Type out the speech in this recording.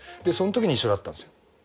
そのときに一緒だったんですよ。